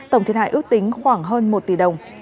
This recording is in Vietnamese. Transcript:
tổng thiệt hại ước tính khoảng hơn một tỷ đồng